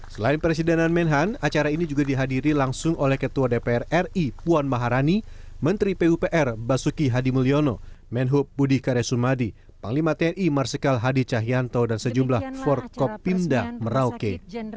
selain presidenan menhan acara ini juga dihadiri langsung oleh ketua dpr ri puan maharani menteri pupr basuki hadimulyono menhub budi karyasumadi panglima tni marsikal hadi cahyanto dan sejumlah forkopimda merauke